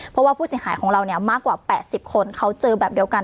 เพราะว่าผู้เสียหายของเราเนี่ยมากกว่า๘๐คนเขาเจอแบบเดียวกัน